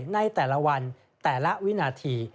ในแต่ละวันแต่ละวินาที